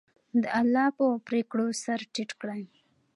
د الله په پرېکړو سر ټیټ کړئ.